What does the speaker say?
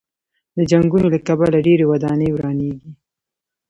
د جنګونو له کبله ډېرې ودانۍ ورانېږي.